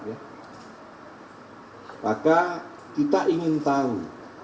maka kita ingin tahu